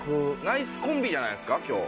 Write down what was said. ナイスコンビじゃないですか今日。